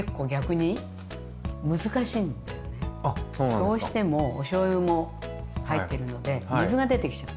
どうしてもおしょうゆも入ってるので水が出てきちゃう。